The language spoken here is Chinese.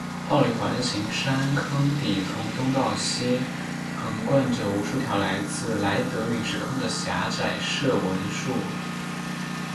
泡利环形山坑底从东到西横贯着无数条来自莱德陨石坑的狭窄射纹束。